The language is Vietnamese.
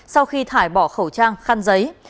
sau khi thải bỏ khẩu trang khăn giấy